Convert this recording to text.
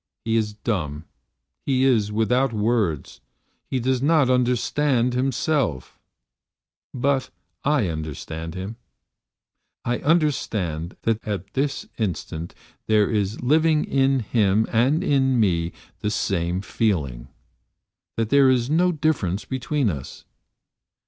He is dumb, he is without words, he does not understand himself but I understand him. I understand that at this instant there is living in him and in me the same feeling, that there is no difference between us.